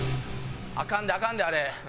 アカンでアカンであれ。